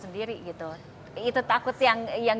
sendiri gitu itu takut yang